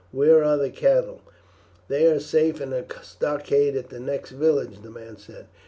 Where are the cattle?" "They are safe in a stockade at the next village," the man said.